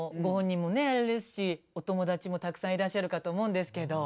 あれですしお友達もたくさんいらっしゃるかと思うんですけど。